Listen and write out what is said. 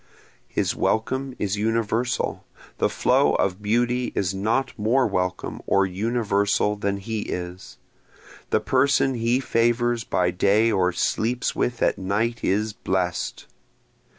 His welcome is universal, the flow of beauty is not more welcome or universal than he is, The person he favors by day or sleeps with at night is blessed.